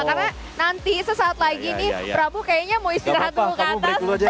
karena nanti sesaat lagi nih prabu kayaknya mau istirahat dulu ke atas